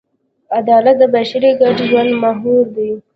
عدالت د بشري ګډ ژوند محور دی.